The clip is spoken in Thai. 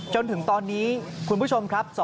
จนถึงตอนนี้คุณผู้ชมครับ